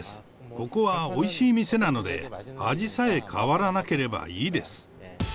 ここはおいしい店なので、味さえ変わらなければいいです。